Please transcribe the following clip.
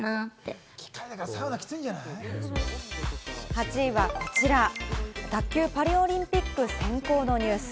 ８位はこちら、卓球、パリオリンピック選考のニュース。